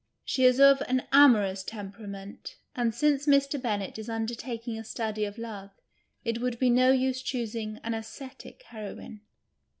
She is of an amorous temperament (and since Mr. Bennett is undertaking a study of love, it would be no use choosing an ascetic heroine).